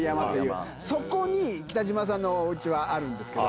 そこに北島さんのおうちはあるんけど。